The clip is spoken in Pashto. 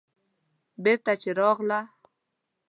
بېرته چې راغله.